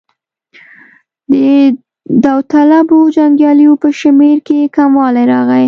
د داوطلبو جنګیالیو په شمېر کې کموالی راغی.